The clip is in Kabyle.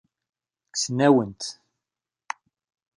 Kksen-awen-t.